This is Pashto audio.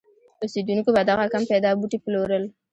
اوسېدونکو به دغه کم پیدا بوټي پلورل.